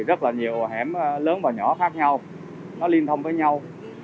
rất nhiều hẻm lớn và nhỏ khác nhau liên thông với nhau